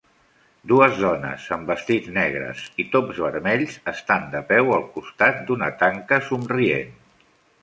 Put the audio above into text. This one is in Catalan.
Dues dones amb vestits negres i Tops vermells estan de peu al costat d'una tanca somrient.